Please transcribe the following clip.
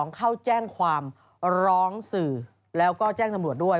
เข้าแจ้งความร้องสื่อแล้วก็แจ้งตำรวจด้วย